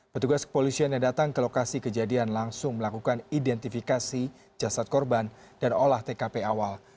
petugas kepolisian yang datang ke lokasi kejadian langsung melakukan identifikasi jasad korban dan olah tkp awal